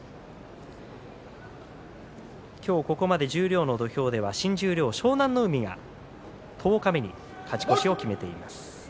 ここまで十両の土俵では新十両湘南乃海が十日目に勝ち越しを決めています。